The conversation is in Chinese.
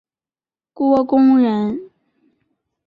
郭躬人。